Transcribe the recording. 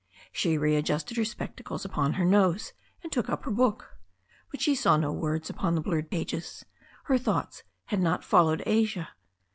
She readjusted her spectacles upon her nose and took up her book. But she saw no words upon the blurred pages. Her thoughts had not followed Asia.